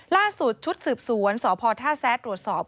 ล่าสุดชุดสืบสวนสพท่าแซะตรวจสอบ